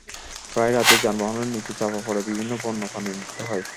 প্রায় রাতেই যানবাহনের নিচে চাপা পড়ে বিভিন্ন বন্য প্রাণীর মৃত্যু হয়।